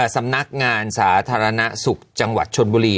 สำนักงานสาธารณสุขจังหวัดชนบุรี